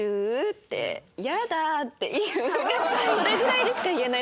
それぐらいでしか言えない。